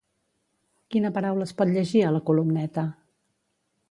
Quina paraula es pot llegir a la columneta?